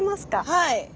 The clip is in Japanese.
はい！